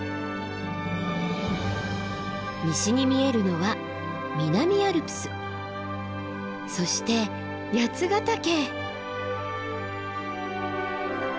西に見えるのは南アルプスそして八ヶ岳。